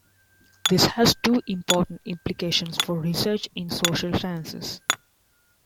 This has two important implications for research in the social sciences.